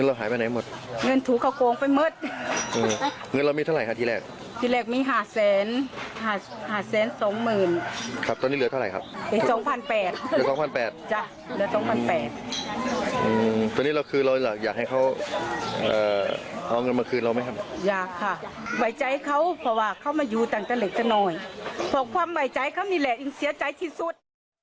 บอกว่าความไหวใจเขามีแหล่งอิงเสียใจที่สุด